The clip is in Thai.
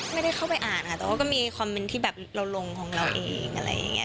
ไม่ได้เข้าไปอ่านค่ะแต่ว่าก็มีคอมเมนต์ที่แบบเราลงของเราเองอะไรอย่างนี้